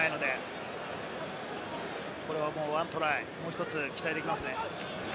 これはもう１トライ、もう１つ期待できますね。